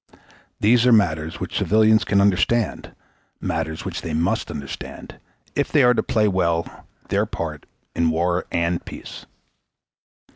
These are matters which civilians can understand matters which they must understand, if they are to play well their part in war and peace.